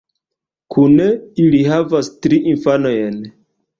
Kune ili havas tri infanojn.